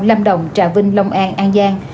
lâm đồng trà vinh long an an giang